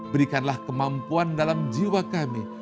berikanlah kemampuan dalam jiwa kami